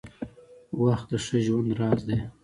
• وخت د ښه ژوند راز دی.